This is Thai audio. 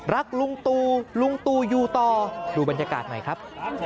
รักลุงตูลุงตูยูตอดูบรรยากาศใหม่ครับ